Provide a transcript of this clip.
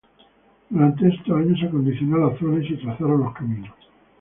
Durante esos años se acondicionó la zona y se trazaron los caminos.